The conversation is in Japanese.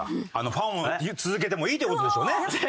ファンを続けてもいいっていう事でしょうね。